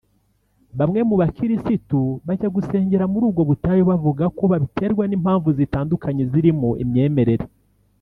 Bamwe mu bakirisitu bajya gusengera muri ubwo butayu bavuga ko babiterwa n’impamvu zitandukanye zirimo imyemerere